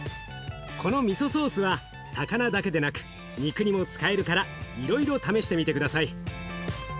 このミソソースは魚だけでなく肉にも使えるからいろいろ試してみて下さい。